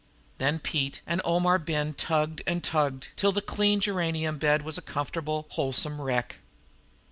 Then Pete and Omar Ben tugged and tugged, till the clean geranium bed was a comfortable, wholesome wreck.